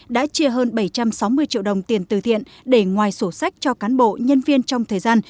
đã chia hơn bảy trăm sáu mươi triệu đồng tiền từ thiện để ngoài sổ sách cho cán bộ nhân viên trong thời gian